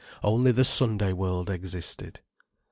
Only the Sunday world existed.